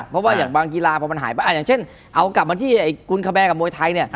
เพราะว่าอย่างบางกีฬาพอมันหายไปอย่างเช่นเอากลับมาที่กุลคาแบร์กับมวยไทยเนี่ย